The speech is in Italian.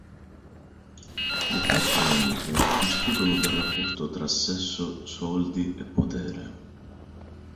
Le quattro amiche discutono del rapporto tra sesso, soldi e potere.